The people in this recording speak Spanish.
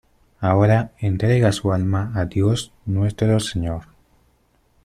ahora entrega su alma a Dios Nuestro Señor.